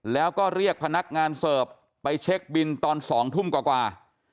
แล้วก็เรียกพนักงานเสิร์ฟไปเช็คบินตอน๒ทุ่มกว่า